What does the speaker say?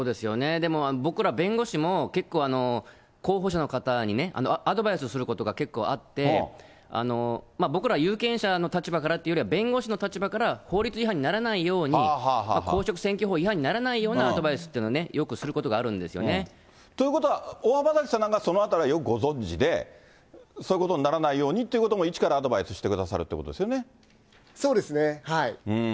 でも、僕ら弁護士も、結構、候補者の方にね、アドバイスすることが結構あって、僕らは有権者の立場からというよりは弁護士の立場から、法律違反にならないように、公職選挙法違反にならないようなアドバイスというのをよくするこということは、大濱崎さんなんかは、そのあたりはよくご存じで、そういうことにならないようにということも、一からアドバイスしてくださるといそうですね。